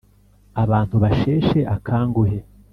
abantu basheshe akanguhe